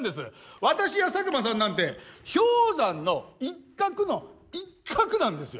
私や佐久間さんなんて氷山の一角の一角なんですよ。